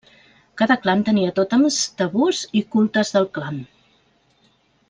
Cada clan tenia tòtems, tabús i cultes del clan.